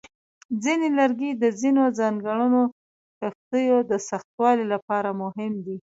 ځینې لرګي د ځینو ځانګړو کښتیو د سختوالي لپاره مهم دي.